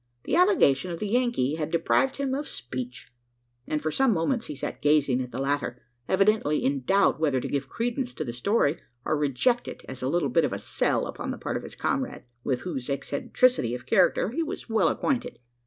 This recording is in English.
The allegation of the Yankee had deprived him of speech; and for some moments he sat gazing at the latter, evidently in doubt whether to give credence to the story, or reject it as a little bit of a "sell" upon the part of his comrade with whose eccentricity of character he was well acquainted.